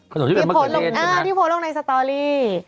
ขนมที่เป็นเมื่อเกิดเล่นใช่ไหมครับอ้าวที่โพสต์ลงในสตอรี